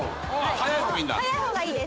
早い方がいいです。